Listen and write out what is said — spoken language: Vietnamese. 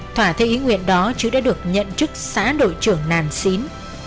thỏa thê ý nguyện đó chứa đã được nhận chức xã đội trưởng nàn xín